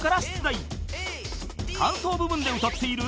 ［間奏部分で歌っている］